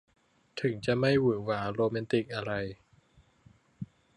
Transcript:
ถึงจะไม่หวือหวาโรแมนติกอะไร